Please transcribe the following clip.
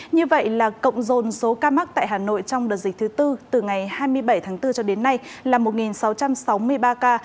như vậy là cộng dồn số ca mắc tại hà nội trong đợt dịch thứ tư từ ngày hai mươi bảy tháng bốn cho đến nay là một sáu trăm sáu mươi ba ca